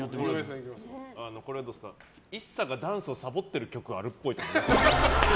ＩＳＳＡがダンスをさぼってる曲があるっぽい。